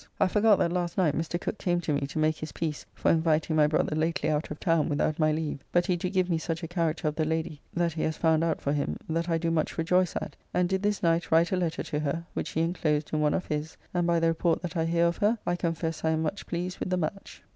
I forgot that last night Mr. Cooke came to me to make his peace for inviting my brother lately out of town without my leave, but he do give me such a character of the lady that he has found out for him that I do much rejoice at, and did this night write a letter to her, which he enclosed in one of his, and by the report that I hear of her I confess I am much pleased with the match.